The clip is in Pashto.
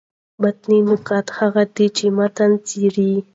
متني نقاد هغه دﺉ، چي متن څېړي.